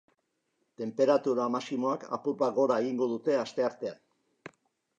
Tenperatura maximoak apur bat gora egingo dute asteartean.